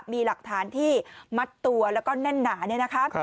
มีหลักฐานที่มัดตัวแล้วก็แน่นหนาเนี่ยนะคะ